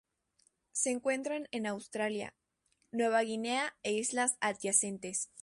Se encuentran en Australia, Nueva Guinea e islas adyacentes.